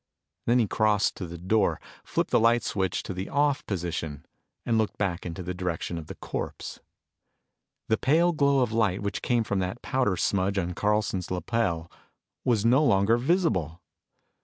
Then he crossed to the door, flipped the light switch to the off position, and looked back in the direction of the corpse. The pale glow of light which came from that powder smudge on Carlson's lapel was no longer visible!